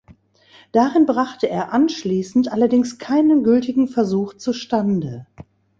Darin brachte er anschließend allerdings keinen gültigen Versuch zu Stande.